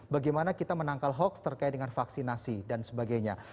bagaimana kita menangkal hoax terkait dengan vaksinasi dan sebagainya